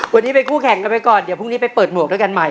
วันนี้เป็นคู่แข่งกันไปก่อนเดี๋ยวพรุ่งนี้ไปเปิดหมวกด้วยกันใหม่